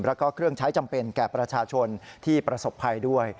แล้วก็เครื่องใช้จำเป็นแก่ประชาชนที่ประสบภัยด้วย